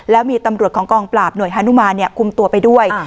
แล้วมีตำรวจของกองปราบหน่วยฮานุมานคุมตัวไปด้วย